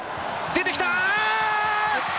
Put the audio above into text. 出てきた。